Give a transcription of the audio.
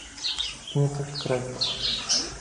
І не толькі кравец.